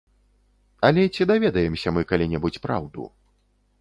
Але ці даведаемся мы калі-небудзь праўду?